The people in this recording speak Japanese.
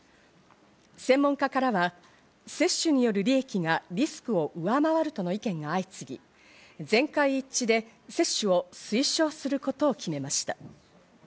専門家からは接種による利益がリスクを上回るとの意見が相次ぎ、全会一致で接種を推奨することを決めました。